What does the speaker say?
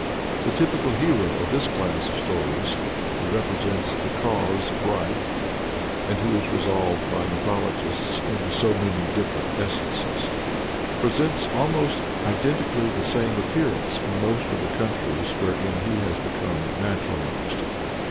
The typical hero of this class of stories, who represents the cause of right, and who is resolved by mythologists into so many different essences, presents almost identically the same appearance in most of the countries wherein he has become naturalized.